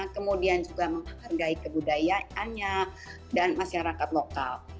kemudian juga menghargai kebudayaannya dan masyarakat lokal